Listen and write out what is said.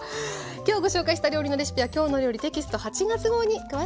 きょうご紹介した料理のレシピは「きょうの料理」テキスト８月号に詳しく掲載しています。